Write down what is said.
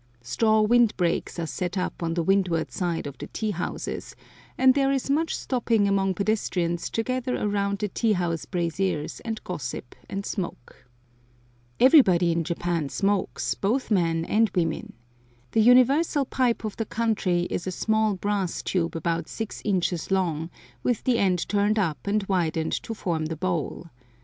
Straw wind breaks are set up on the windward side of the tea houses, and there is much stopping among pedestrians to gather around the tea house braziers and gossip and smoke. Everybody in Japan smokes, both men and women. The universal pipe of the country is a small brass tube about six inches long, with the end turned up and widened to form the bowl.